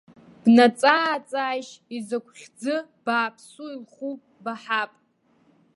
Бнаҵаа-ааҵааишь, изакә хьӡы бааԥсу илху баҳап!